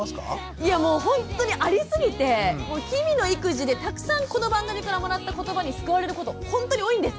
いやもうほんとにありすぎてもう日々の育児でたくさんこの番組からもらったことばに救われることほんとに多いんですけど。